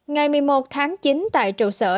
ngày một mươi một tháng chín tại trụ sở